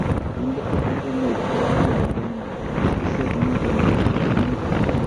kiinde orokenet Eng' muguldo ng'wany siset noto bo orokenet